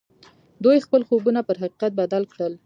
دوی خپل خوبونه پر حقيقت بدل کړل.